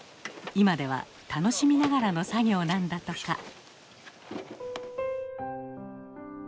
今では楽しみながらの作業なんだとか。